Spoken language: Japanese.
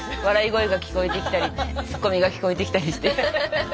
笑い声が聞こえてきたりツッコミが聞こえてきたりして。